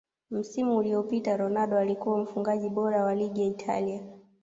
msimu uliyopita ronaldo alikuwa mfungaji bora wa ligi ya Italia